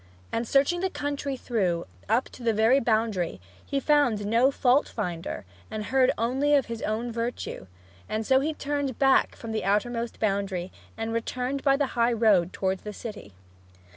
And searching the country through, up to the very boundary, he found no fault finder, and heard only of his own virtue; and so he turned back from the outer most boundary, and returned by the high road towards the city.